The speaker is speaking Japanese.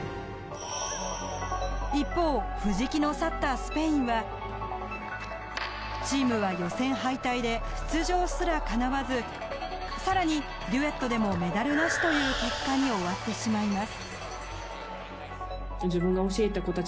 一方、藤木の去ったスペインはチームは予選敗退で出場すらかなわず更にデュエットでもメダルなしという結果に終わってしまいます。